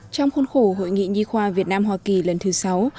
trong khuôn khổ hội nghị nhi khoa việt nam hoa kỳ lần thứ sáu